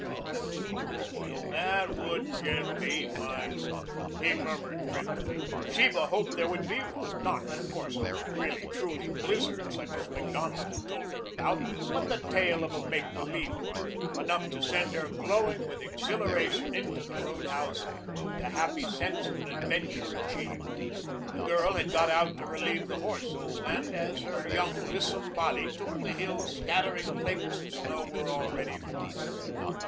Doggone it, if that wouldn't jest be my luck," he murmured fretfully. Sheba hoped there would be one, not, of course, a really, truly blizzard such as Macdonald had told her about, but the tail of a make believe one, enough to send her glowing with exhilaration into the roadhouse with the happy sense of an adventure achieved. The girl had got out to relieve the horses, and as her young, lissom body took the hill scattering flakes of snow were already flying.